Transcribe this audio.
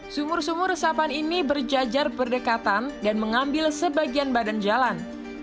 sumur sumur resapan ini berjajar berdekatan dan mengambil sebagian badan jalan